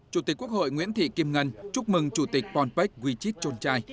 chủ tịch quốc hội nguyễn thị kim ngân chúc mừng chủ tịch ponpet winchit chonchai